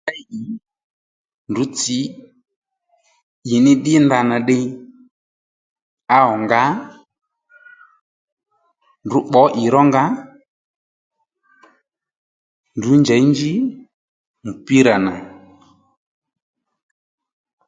Ndrǔ tsǐ ìní ddí ndanà ddiy áẁ ngǎ ndrǔ pbǒ ì rónga, ndrǔ njěy njí mùpírà nà